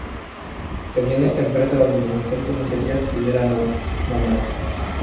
Sería en esta empresa donde el profesor conocería a su primer amor: Mamá.